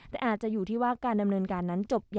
แต่อาจจะอยู่ที่ว่าการดำเนินการนั้นจบ